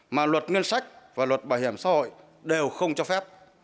mà luật ngân sách và luật bảo hiểm xã hội đều không cho phép